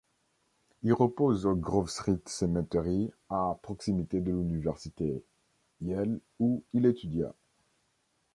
Il repose au Grove Street Cemetery, à proximité de l'université Yale ou il étudia.